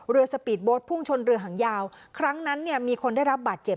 สปีดโบ๊ทพุ่งชนเรือหางยาวครั้งนั้นเนี่ยมีคนได้รับบาดเจ็บ